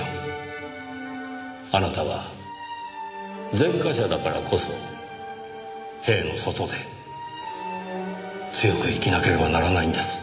あなたは前科者だからこそ塀の外で強く生きなければならないんです。